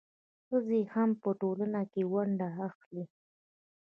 ښځې هم په ټولنه کې ونډه اخلي.